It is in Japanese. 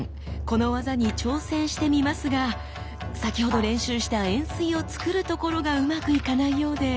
この技に挑戦してみますが先ほど練習した円錐をつくるところがうまくいかないようで。